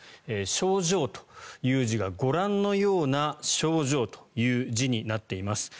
賞状という字がご覧のような症状という字になっています。